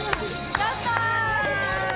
やったぜ！